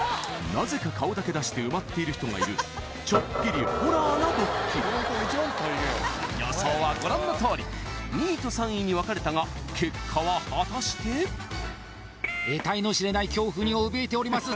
なぜか顔だけ出して埋まっている人がいるちょっぴりホラーなドッキリ予想はご覧のとおり２位と３位に分かれたが結果は果たしてえたいの知れない恐怖におびえております